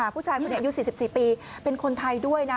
ผู้ชายคนนี้อายุ๔๔ปีเป็นคนไทยด้วยนะ